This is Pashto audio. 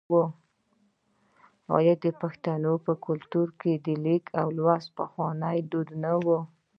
آیا د پښتنو په کلتور کې د لیک لوستل پخوانی دود نه و؟